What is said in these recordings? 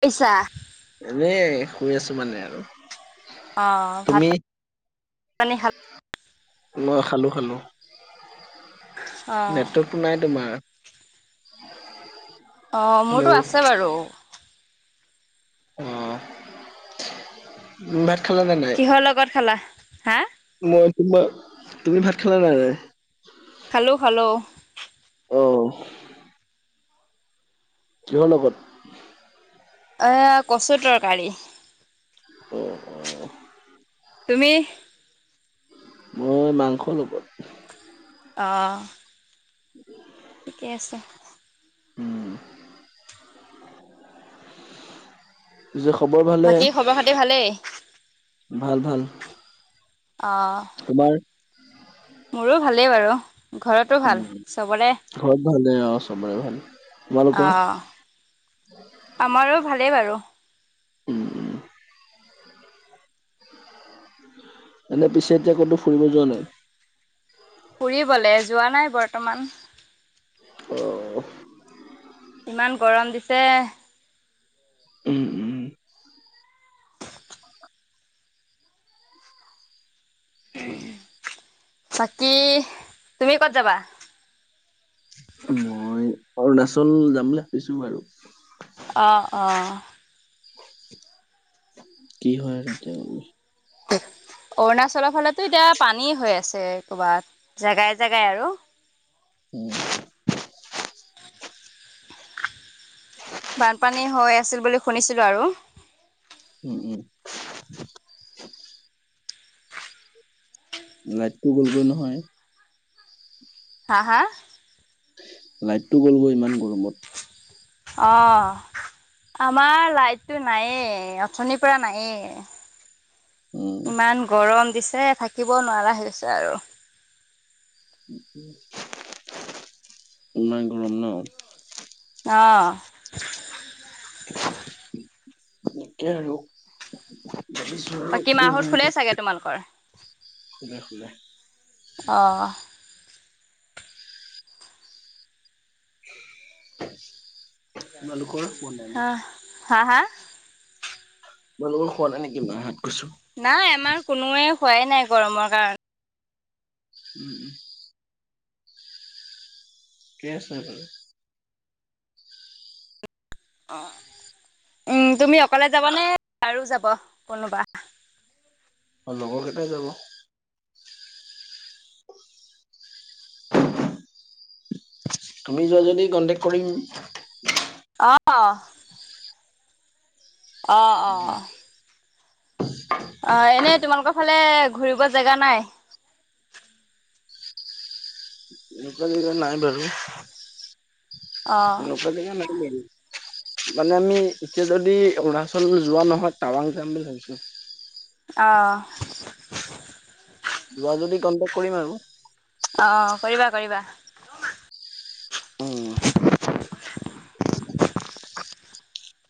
পইছা এনে শুই আছো মানে আৰু। অ ভাত তুমি পানী খাল- মই খালো খালো অ', নেটৰ্কটো নাই তোমাৰ অ হেল্ল' মোৰতো আছে বাৰু। অ। ভাত খালা নে নাই? কিহৰ লগত খালা? হা? ম- তুমি ভাত খালা নে নাই? খালো খালো। অ। কিহৰ লগত? এ কচু তৰকাৰী। অ অ। তুমি? মই মাংসৰ লগত। অ। [inaudible] ঠিকে আছে। উম। পিছে খবৰ ভালে? বাকী খবৰ খাতি ভালেই? ভাল ভাল। অহ। তোমাৰ মোৰো ভালেই বাৰু ঘৰতো ভাল উম চবৰে। ঘৰত ভালে অ চবৰে ভাল। অ তোমালোকৰ আমাৰো ভালেই বাৰু। উম উম। এনে পিছে এতিয়া ক'তো ফুৰিব যোৱা নাই? ফুৰিবলৈ যোৱা নাই বৰ্তমান। অ। ইমান গৰম দিছে। উম উম। বাকী তুমি ক'ত যাবা? মই অৰুণাচল যাম বুলি ভাবিছো বাৰু। অ অ। কি হয় আৰু এতিয়া আমি। তেত অৰুণাচলৰ ফালে এতিয়া পানী হৈ আছে ক'বাত জেগাই জেগাই আৰু। উম। বানপানী হৈ আছিল বুলি শুনিছিলো আৰু। উম উম। লাইটটো গ'লগৈ নহয়। হা হা। লাইটটো গ'লগৈ ইমান গৰমত। অহ। আমাৰ লাইটটো নাইয়ে, অথনিৰ পৰা নায়ে। উম। গৰম দিছে থাকিব নোৱাৰা হৈছে আৰু। [unintelligible] ইমান গৰম ন। অ। একেই আৰু। ভাবিছো আৰু বাকী কি মাহত হয় শুলেই আৰু, চাগে তোমালোকৰ খোলে খোলে। অ। তোমালোকৰ শোৱা নাই নি? হা হা। মানুহবোৰ শোৱা নাই নেকি মা হঁত? নাই আমাৰ কোনোৱে শোৱাই নাই গৰমৰ কাৰণ। উম উম। কে আছে বাৰু। অ উম তুমি অকলে যাব নে আৰু যাব- বহ কোনোবা। অ লগৰ কেইটাই যাব। আমি যোৱা যদি কন্টেক্ট কৰিম। অহ। অ অ। অ এনেই তোমালোকৰ ফালে ঘূৰিব জেগা নাই। এনেকুৱা জেগা নাই বাৰু, অ এনেকুৱা জেগা নাই বাৰু। মানে আমি এতিয়া যদি অৰুণাচল যোৱা নহয়, টাৱাং যাম বুলি ভাবিছোঁ। অ। যোৱা যদি কনটেক কৰিম আৰু। অ, কৰিবা, কৰিবা। উম,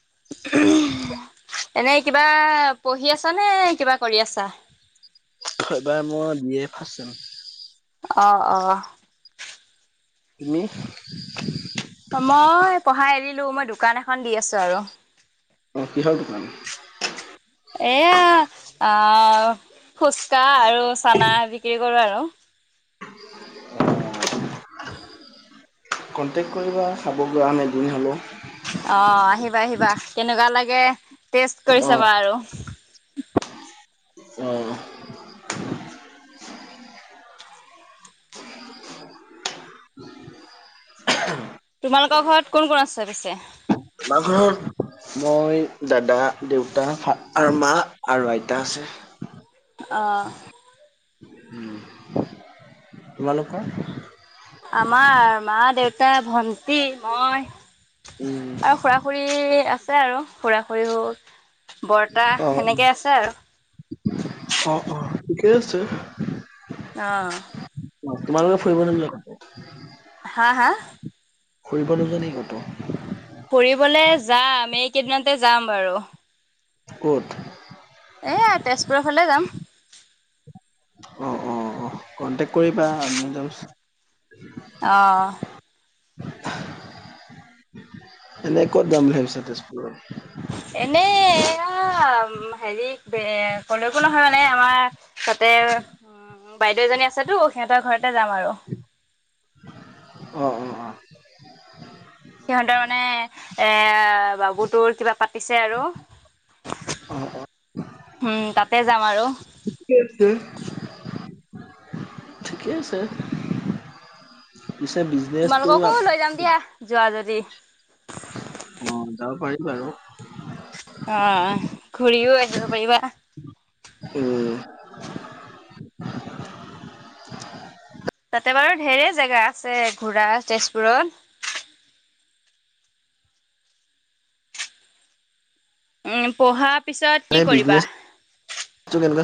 [inaudible] এনেই কিবা পঢ়ি আছা নে কিবা কৰি আছা? এইবাৰ মই বি এ ফাছ চেম। অ-অ। তুমি? মই পঢ়া এৰিলো মই দোকান এখন দি আছোঁ আৰু। অ কিহৰ দোকান? এয়া আ ফুচকা আৰু চানা বিক্ৰী কৰোঁ আৰু। কণ্টেক কৰিবা চাব [unintelligible] এদিন হলেওঁ। অ, আহিবা আহিবা। কেনেকুৱা লাগে টেষ্ট কৰি অ', চাবা আৰু। অ'। তোমালোকৰ ঘৰত কোন কোন আছে পিছে? আমাৰ ঘৰত মই, দাদা, দেউতা আৰু মা আৰু আইতা আছে। [inaudible] অ। তোমালোকৰ? আমাৰ মা, দেউতা, ভন্টি, মই। উম। আৰু খুৰা-খুৰী আছে আৰু খুৰা-খুৰীও। বৰ্তা সেনেকে আছে আৰু। অ-অ ঠিকে আছে। অ। তোমালোকে ফুৰিবলে [unintelligible] হা-হা? ফুৰিবলৈ নোযোৱা নি কৌ'তৌ ফুৰিবলৈ যাম এই কেইদিনতে যাম বাৰু। ক'ত? এ আ তেজপুৰৰ ফালে যাম। অ', অ', অ', কণ্টেক্ট কৰিবা আমিও [unintelligible] অ। এনে ক'ত যাম বুলি ভাবিছা তেজপুৰত? এনেই‌ এ আ আ ম হেৰি ৱে কলৈকো নহয় মানে আমাৰ তাতে এ ও। উম, বাইদেউ এজনী আছেটো সিহঁতৰ ঘৰতে যাম আৰু। অ', অ', অ', সিহঁতৰ মানে এ বাবু তোৰ কিবা পাতিছে আৰু। অ', অ', উম, তাতে যাম আৰু। উম, উম। ঠিকে আছে। পিছে বিজনেছটো তোমালোককো আপ লৈ যাম দিয়া যোৱা যদি। অ' পাৰিব বাৰু। অ, ঘূৰিও আহিব পাৰিবা। উম। তাতে বাৰু ধেৰ জেগা আছে ঘূৰা তেজপুৰত উম পঢ়াৰ পিছত এনে কি কৰিবা? বিজনেচটো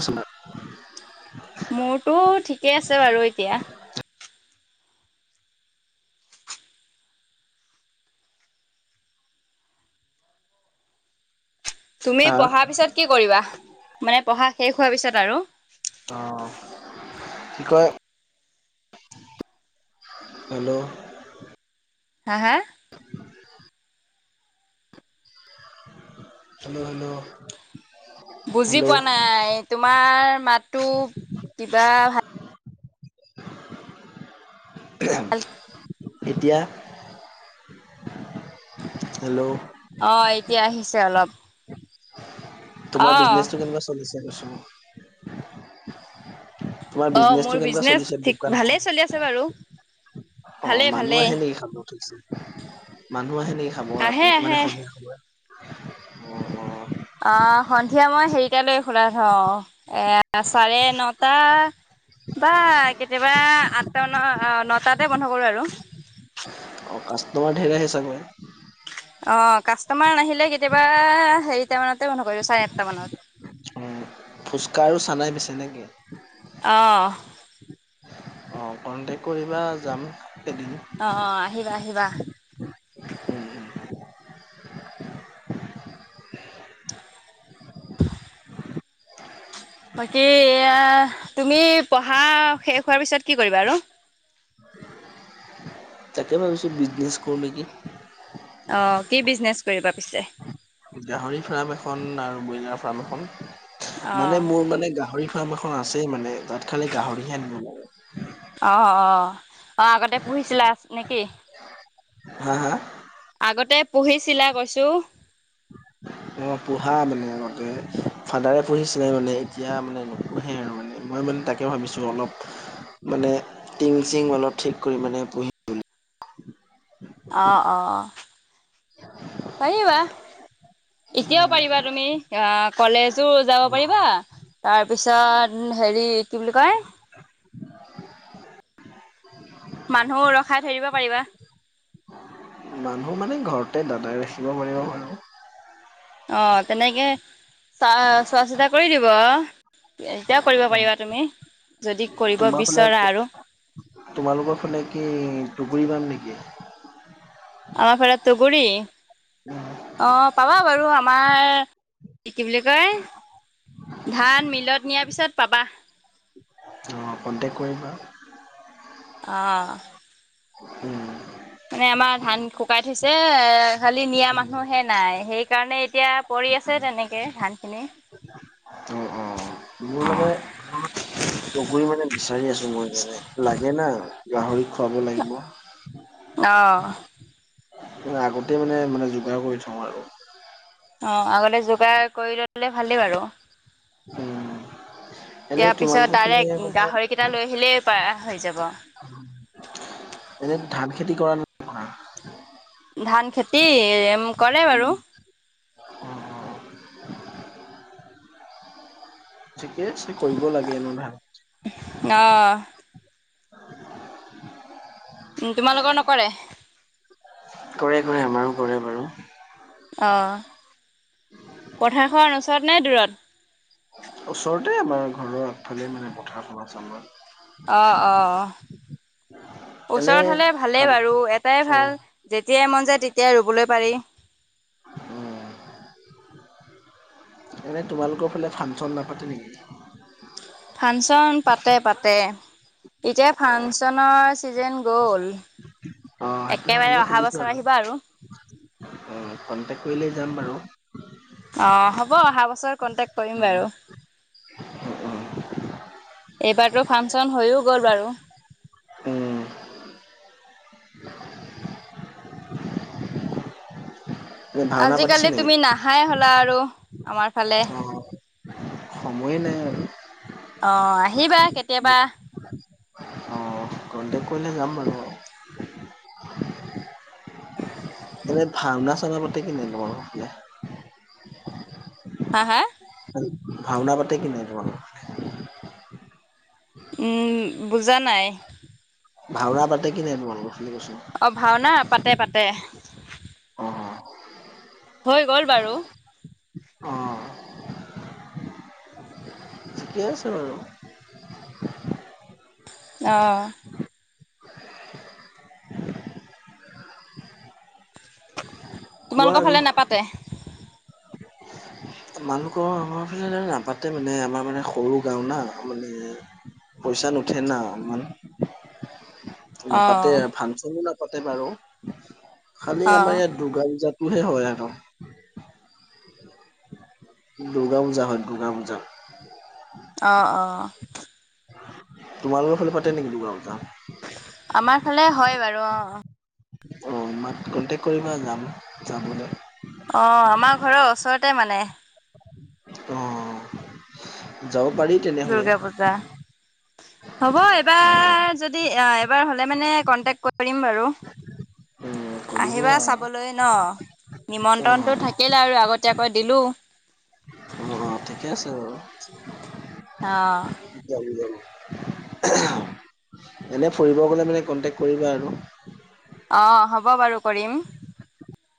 [inaudible] মোৰতো ঠিকেই আছে বাৰু এতিয়া তুমি হা পঢ়াৰ পিছত কি কৰিবা, মানে পঢ়া শেষ হোৱাৰ পিছত আৰু অ, কি কয় হেল্ল'। হা, হা। [inaudible] হেল্ল' হেল্ল' বুজি হেল্ল' পোৱা নাই তোমাৰ মাতো কিবা ফা [inaudible] হল [unintelligible] এতিয়া, হেল্ল'। অ এতিয়া আহিছে অলপ তোমাৰ অ' বিজনেচটো কেনেকুৱা চলিছে কৈছো তোমাৰ অ' মোৰ বিজনেচটো কেনেকুৱা বিজনেচ চলিছে ঠিক ভালেই দোকানখন। চলি আছে বাৰু। অ ভালেই মানুহ ভালেই আহে নেকি খাব থিকছে, মানুহ আহে নেকি খাব আহে ৰাতি মানে আহে। সন্ধিয়া উমমম অ সন্ধিয়া মই হেৰিতালৈ খোলা থওঁ এয়া চাৰে নটা বা কেতিয়াবা আঠটা -ন নটাতে বন্ধ কৰো আৰু অ কাষ্টমাৰ ঢেৰ আহে চাগে অ কাষ্টমাৰ নাহিলে কেতিয়াবা হেৰিটা মানতে বন্ধ কৰি দিওঁ চাৰে আঠটা মানত অ, ফুচকা আৰু চানাই বেচে নে কি? অ। অঁ কণ্টেক কৰিবা যাম এদিন আহ অ আহিবা আহিবা উম [inaudible] বাকী এয়া, তুমি পঢ়া শেষ হোৱাৰ পিছত কি কৰিবা আৰু [inaudible] তাকে ভাবিচো বিজনেছ কৰো নেকি অ কি বিজনেচ কৰিবা পিছে? গাহৰি ফাৰ্ম এখন আৰু ব্ৰইলাৰ ফাৰ্ম এখন, অ। মানে মোৰ মানে গাহৰি ফাম এখন আছেই মানে তাত খালি গাহৰি হে নাই। অ, অ, অ আগতে পুহিছিলা নেকি? হা হা। আগতে পুহিছিলা কৈছো ম মই পুহা মানে আগতে ফাদাৰে পুহিছিলে মানে এতিয়া মানে নুপুহে আৰু মানে মই মানে তাকে ভাবিছোঁ অলপ মানে টিং চিং অলপ ঠিক কৰি মানে পুহিম বুলি অ, অ, পাৰিবা এতিয়াও পাৰিবা তুমি অ কলেজো যাব পাৰিবা তাৰ পিছত হেৰি কি বুলি কয় [inaudible] মানুহ ৰখাই থব পাৰিবা মানুহ মানে ঘৰতে দাদাই ৰাখিব পাৰিব বাৰু অ তেনেকে চা চোৱা-চিতা কৰি দিব এতিয়াও কৰিব পাৰিবা তুমি যদি কৰিব তোমাৰ ফালে বিচৰা আৰু তোমালোকৰ ফালে কি টোগুৰি পাম নেকি? আমাৰ ফালে টোগুৰি? অ, পাবা বাৰু। আমাৰ কি বুলি কয় ধান মিলত নিয়াৰ পিছত পাবা। কণ্টেক কৰিবা। অহ। উম, মানে আমাৰ ধান শুকাই থৈছে। এ খালি নিয়া মানুহহে নাই। সেইকাৰণে এতিয়া কৰি আছে তেনেকে ধান খিনি। উ অ। মোৰ মানে জগৰি মানে বিচাৰি আছো মই মানে লাগে না গাহৰি খুৱাব লাগিব। অঁ। আগতেই মানে মানে যোগাৰ কৰি থওঁ আৰু অ আগতে যোগাৰ কৰি লৈ পেলে ভালেই বাৰু। উম, এনে ইয়া পিছত তোমালোকৰ ফালে ডাইৰেক্ট মানে গাহৰি কেইটা লৈ আহিলেই। পাৰা হৈ যাব। এনে ধান খেতি কৰা নকৰা। ধান খেতি এম কৰে বাৰু অ', অ', ঠিকে আছে কৰিব লাগে এনেও ধান। অ উম তোমালোকৰ নকৰে? কৰে কৰে আমাৰো কৰে বাৰু অহ পথাখন ওচৰত নে দূৰত ওচৰতে আমাৰ ঘৰৰ আগফালে মানে পথাৰখন আছে আমাৰ। অঁ অ। এনে ওচৰত হ'লে ভালেই ধান বাৰু এটাই অ ভাল যে যেতিয়াই মন যায় তেতিয়াই ৰুবলৈ পাৰি। উম মানে তোমালোকৰ ফালে ফাংচন নাপাতে নিকি? ফাংচন পাতে পাতে। এতিয়া ফাংচনৰ ছিজেন গ'ল। অ সেইটো হয় একেবাৰে এনেই অহা সুধিছো বছৰ আৰু আহিবা অ কনটেক কৰিলে যাম বাৰু নিশ্বয় কন্টেক কৰিম উম, বাৰু উম, উম, এইবাৰতো ফাংচন হৈও গ'ল বাৰু উম এনে ভাওনা পাতিছে আজিকালি নেকি? তুমি নাহাই হ'লা আৰু আমাৰ ফালে। অ সময়ে নাই আৰু অ আহিবা কেতিয়াবা। ত কৰিলে যাম বাৰু ৰ [unintelligible] এনে ভাওনা চাওনা পাতে কি নাই তোমালোকৰফালে হা হা ভাওনা পাতে কি নাই তোমালোকৰ উম বুজা নাই। ভাওনা পাতে কি নাই তোমালোকৰ ফালে কৈছো? অ ভাওনা পাতে পাতে অ', হৈ গ'ল বাৰু ঠিকে আছে বাৰু। অ কোৱা তোমালোকৰ আৰু ফালে নাপাতে। মানু ক আমাৰ ফালে এনে নাপাতে মানে আমাৰ মানে সৰু গাও না মানে। পইচা নুঠে না ইমান নাপাতে অ'। আৰ ফাংচনবিলাক পাতে বাৰু খালি আমাৰ অ', ইয়াত দুৰ্গা পূজাত কিহে হয় আক দুৰ্গা পূজা হয় দুৰ্গা পূজা অঁহ অঁহ তোমালোক ফালে পাতে নিকি দুৰ্গা পূজা আমাৰ ফালে হয় বাৰু অহ অ আমাক কণ্টেক্ট কৰিবা যাম যাবলে অহ আমাৰ ঘৰৰ ওচৰতে মানে অ'। যাব পাৰি তেনেহ'লে দুৰ্গা পূজা। হব অ'। এবাৰ যদি এ এবাৰ হলে মানে কন্টেক্ট কৰিম বাৰু [unintelligible] কৰিব আহিবা আৰু চাবলৈ ন অ', নিমন্ত্ৰণটো থাকিলে আৰু আগতীয়াকৈ দিলো অহ ঠিকে আছে বাৰু অহ [unintelligible] এনে ফুৰিব গলে মানে কন্টেক্ট কৰিবা আৰু অহ হ'ব বাৰু কৰিম